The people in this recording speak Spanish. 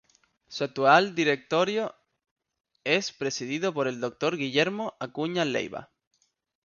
Su actual directorio es presidido por el Dr. Guillermo Acuña Leiva.